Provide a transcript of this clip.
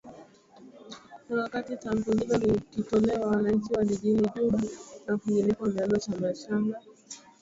na wakati tamko hilo likitolewa wananchi wa jijinj juba na kwingineko wameanza shamrashamra